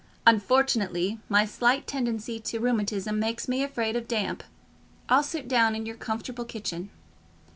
Unfortunately, my slight tendency to rheumatism makes me afraid of damp: I'll sit down in your comfortable kitchen.